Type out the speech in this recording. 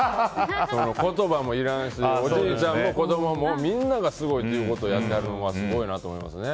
言葉もいらんしおじいちゃんも子供もみんながすごいっていうことをやってはるのはすごいと思いますね。